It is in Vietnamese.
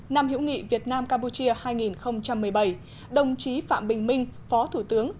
năm hữu nghị việt nam campuchia hai nghìn một mươi bảy đồng chí phạm bình minh phó thủ tướng